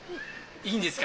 いいんですか？